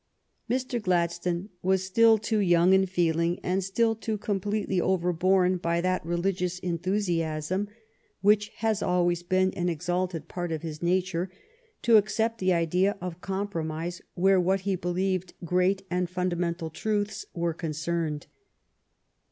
Mr. Gladstone was still too young in feeling, and still too completely overborne by that religious enthu GLADSTONE'S FIRST BOOK 75 siasm which has ahvays been an exalted part of his nature, to accept the idea of compromise where what he believed great and fundamental truths were concerned.